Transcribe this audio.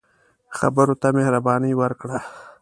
خبرو ته مهرباني ورکړه